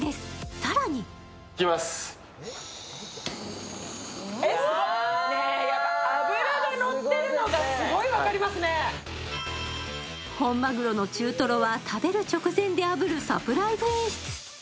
更に本マグロの中トロは食べる直前で食べるサプライズ演出。